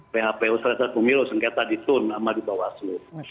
pkpu sengketa pemilu sengketa ditun sama di bawah seluruh